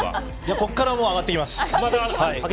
ここから上がっていきます。